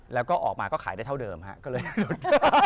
แล้วก็ออกมาก็ขายได้เท่าเดิมฮะก็เลยหยุด